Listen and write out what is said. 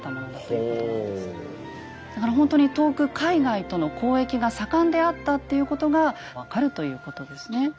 だからほんとに遠く海外との交易が盛んであったっていうことが分かるということですね。